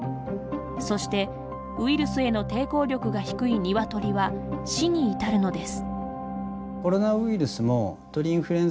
そして、ウイルスへの抵抗力が低いニワトリは死に至るのです。